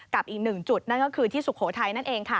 กับอีกหนึ่งจุดนั่นก็คือที่สุโขทัยนั่นเองค่ะ